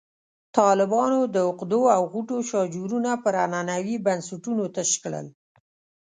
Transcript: طالبانو د عقدو او غوټو شاجورونه پر عنعنوي بنسټونو تش کړل.